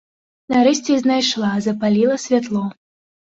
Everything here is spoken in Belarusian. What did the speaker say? Нарэшце знайшла, запаліла святло.